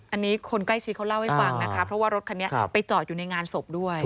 อันนี้คนใกล้ชิดเขาเล่าให้ฟังนะคะเพราะว่ารถคันนี้ไปจอดอยู่ในงานศพด้วย